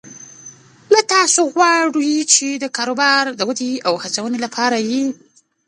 له تاسو غواړي چې د کاروبار د ودې او هڅونې لپاره یې